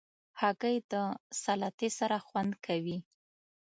هګۍ د سلاتې سره خوند کوي.